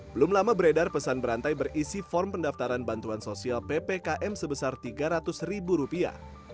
belum lama beredar pesan berantai berisi form pendaftaran bantuan sosial ppkm sebesar tiga ratus ribu rupiah